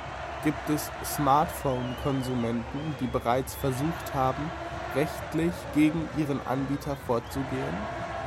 Gibt es Smartphone-Konsumenten, die bereits versucht haben, rechtlich gegen ihren Anbieter vorzugehen?